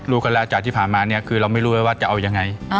รู้กันแล้วจากที่ผ่านมาเนี่ยคือเราไม่รู้เลยว่าจะเอายังไง